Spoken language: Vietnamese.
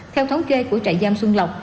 theo thống kê của trại giam xuân lộc